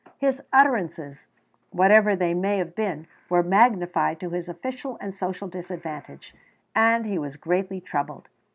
His utterances, whatever they may have been, were magnified to his official and social disadvantage, and he was greatly troubled.